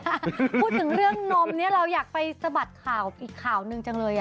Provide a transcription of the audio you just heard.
พูดถึงเรื่องนมเนี่ยเราอยากไปสะบัดข่าวอีกข่าวหนึ่งจังเลย